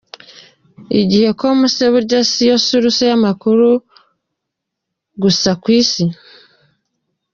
Igihe.com se burya niyo source y’amakuru gusa ku isi?